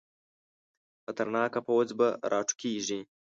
خطرناکه پوځ به راوټوکېږي.